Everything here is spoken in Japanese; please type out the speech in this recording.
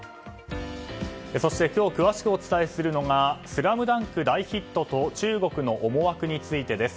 そして今日詳しくお伝えするのが「ＳＬＡＭＤＵＮＫ」の大ヒットと中国の思惑についてです。